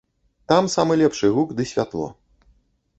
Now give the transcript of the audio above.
Там самы лепшы гук ды святло.